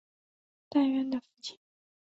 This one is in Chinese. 戴渊的父亲。